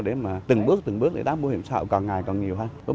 để mà từng bước từng bước để đóng bảo hiểm xã hội còn ngày còn nhiều hơn